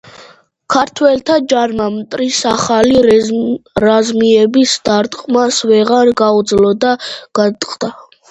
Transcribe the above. ქართველთა ჯარმა მტრის ახალი რაზმების დარტყმას ვეღარ გაუძლო და გატყდა.